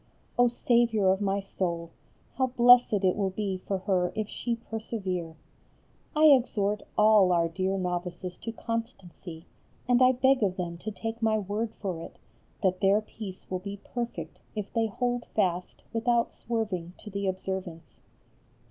Oh, Saviour of my soul! how blessed it will be for her if she persevere! I exhort all our dear novices to constancy, and I beg of them to take my word for it, that their peace will be perfect if they hold fast without swerving to the observance.